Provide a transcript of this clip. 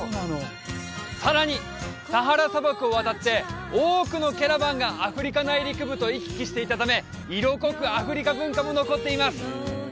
さらにサハラ砂漠を渡って多くのキャラバンがアフリカ内陸部と行き来していたため色濃くアフリカ文化も残っています